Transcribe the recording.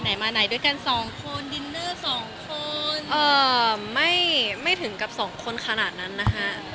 ไหนมาไหนด้วยกัน๒คนดินเนอร์๒คนเออไม่ถึงกับ๒คนขนาดนั้นน่ะฮะ